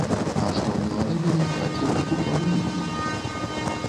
А што нелады былі ў хаце, дык у каго іх няма.